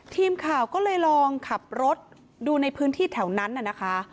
ทีมข่าวก็เลยลองขับรถดูในพื้นที่แถวนั้นน่ะนะคะ